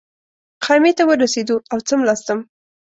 خیمې ته ورسېدو او څملاستم.